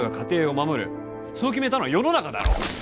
そう決めたのは世の中だろ。